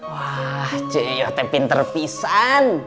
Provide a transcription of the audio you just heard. wah cece pinter pisan